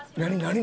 何？